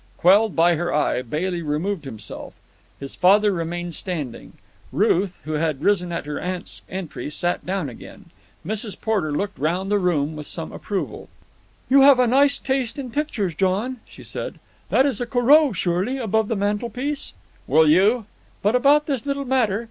Quelled by her eye, Bailey removed himself. His father remained standing. Ruth, who had risen at her aunt's entry, sat down again. Mrs. Porter looked round the room with some approval. "You have a nice taste in pictures, John," she said. "That is a Corot, surely, above the mantelpiece?" "Will you——" "But about this little matter.